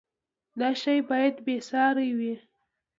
دا شی باید بې ساری وي.